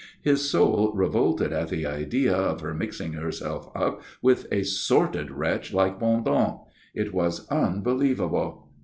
His soul revolted at the idea of her mixing herself up with a sordid wretch like Bondon. It was unbelievable.